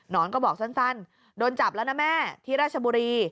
น้องก็บอกสั้นโดนจับแล้วนะแม่ที่ราชบุรี